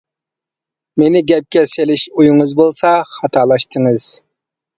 مېنى گەپكە سېلىش ئويىڭىز بولسا خاتالاشتىڭىز.